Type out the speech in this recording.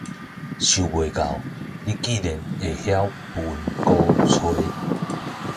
想袂到你竟然會曉歕鼓吹